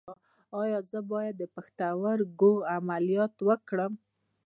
ایا زه باید د پښتورګو عملیات وکړم؟